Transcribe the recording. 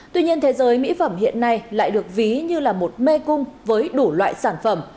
tuy nhiên thế giới mỹ phẩm hiện nay lại được ví như là một mê cung với đủ loại sản phẩm